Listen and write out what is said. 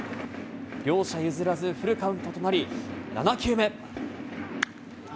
両者譲らずフルカウントとなり、７球目。